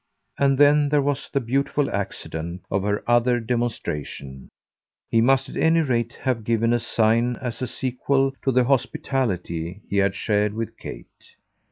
And then there was the beautiful accident of her other demonstration; he must at any rate have given a sign as a sequel to the hospitality he had shared with Kate.